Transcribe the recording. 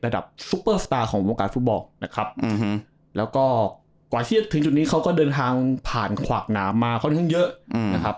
เดินทางผ่านขวากน้ำมาค่อนขึ้นเยอะ